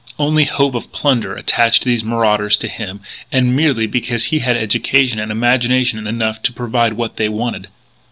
Only hope of plunder attached these marauders to him, and merely because he had education and imagination enough to provide what they wanted.